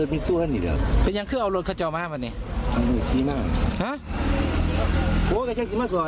ไม่เป็นตำรวจ